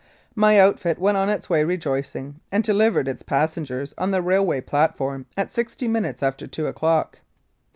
My outfit went on its way rejoicing, and delivered its passengers on the railway platform at sixty minutes after two o'clock.